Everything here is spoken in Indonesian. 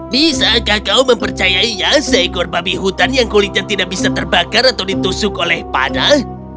bisakah kau mempercayainya seekor babi hutan yang kulitnya tidak bisa terbakar atau ditusuk oleh padang